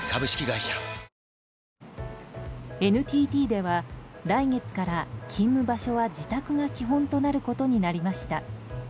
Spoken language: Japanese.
ＮＴＴでは、来月から勤務場所は自宅が基本となることになりました。